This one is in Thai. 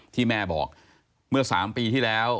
ที่แม่บอกเมื่อ๓ปีที่แล้ว